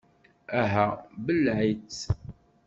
Aha, belleε-itt!